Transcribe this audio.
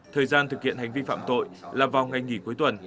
thời gian thực hiện hành vi phạm tội là vào ngày nghỉ cuối tuần